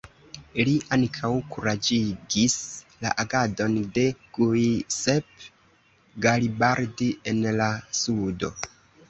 Li ankaŭ kuraĝigis la agadon de Giuseppe Garibaldi en la sudo.